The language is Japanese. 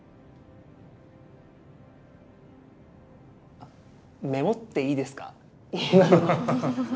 あメモっていいですか？